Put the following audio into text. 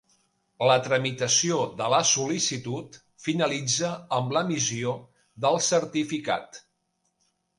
La tramitació de la sol·licitud finalitza amb l'emissió del certificat.